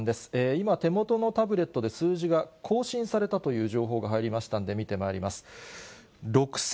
今、手元のタブレットで数字が更新されたという情報が入りましたんで、見てまいります。